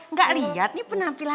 nggak liat nih penampilan aku